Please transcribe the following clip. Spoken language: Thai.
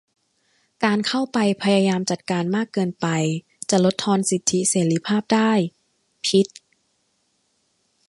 การเข้าไปพยายามจัดการมากเกินไปจะลดทอนสิทธิเสรีภาพได้ - พิชญ์